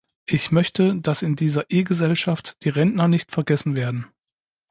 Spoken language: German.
Ich möchte, dass in dieser E-Gesellschaft die Rentner nicht vergessen werden.